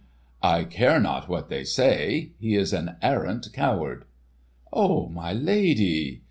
"I care not what they say. He is an arrant coward!" "Oh, my lady!"